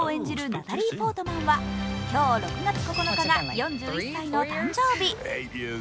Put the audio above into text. ナタリー・ポートマンは今日６月９日が４１歳の誕生日。